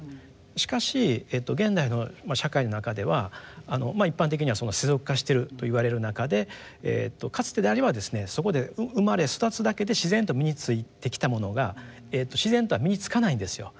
しかし現代の社会の中では一般的には世俗化してると言われる中でかつてであればそこで生まれ育つだけで自然と身についてきたものが自然とは身につかないんですよ。